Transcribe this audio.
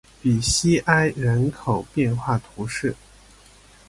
比西埃人口变化图示